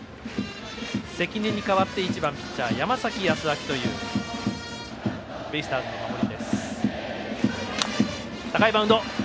関根に代わって１番ピッチャー、山崎康晃というベイスターズの守り。